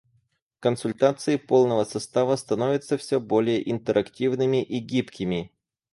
Консультации полного состава становятся все более интерактивными и гибкими.